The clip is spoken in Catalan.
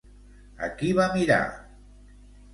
A qui va mirar?